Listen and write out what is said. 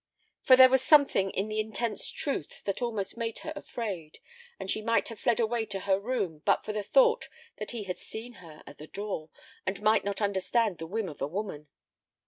For there was something in the intense truth that almost made her afraid, and she might have fled away to her room but for the thought that he had seen her at the door and might not understand the whim of a woman.